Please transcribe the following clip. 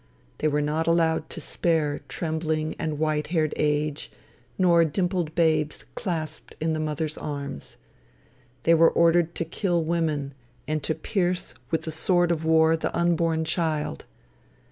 They were not allowed to spare trembling and white haired age, nor dimpled babes clasped in the mothers' arms. They were ordered to kill women, and to pierce, with the sword of war, the unborn child.